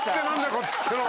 こっちってのは！